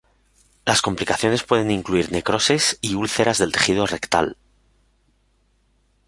Las complicaciones pueden incluir necrosis y úlceras del tejido rectal.